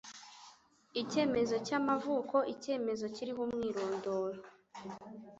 Icyemezo cy'amavuko / icyemezo kiriho umwirondoro